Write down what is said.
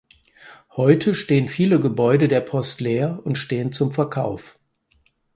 Heute stehen viele Gebäude der Post leer und stehen zum Verkauf.